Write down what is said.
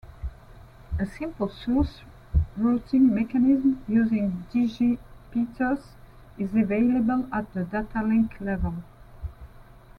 A simple source routing mechanism using digipeaters is available at the datalink level.